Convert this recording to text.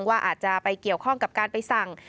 ว่าอาจจะไปเกี่ยวข้องกับการไปสั่ง